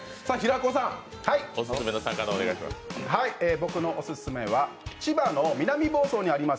僕のオススメは千葉の南房総にあります